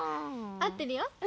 あってるよ。